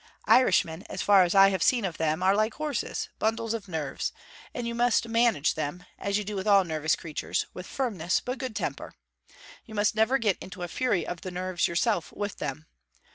Irishmen, as far as I have seen of them, are, like horses, bundles of nerves; and you must manage them, as you do with all nervous creatures, with firmness, but good temper. You must never get into a fury of the nerves yourself with them.